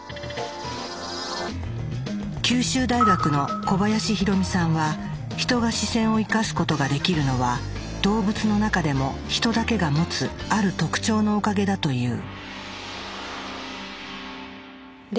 九州大学の小林洋美さんはヒトが視線を生かすことができるのは動物の中でもヒトだけが持つある特徴のおかげだと言う。